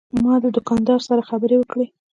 ما د دوکاندار سره خبرې وکړې.